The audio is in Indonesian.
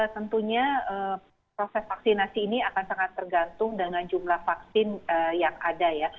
tentunya proses vaksinasi ini akan sangat tergantung dengan jumlah vaksin yang ada ya